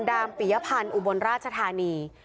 ดามปิยพันธ์อุบลราชธานี